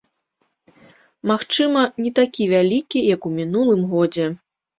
Магчыма, не такі вялікі, як у мінулым годзе.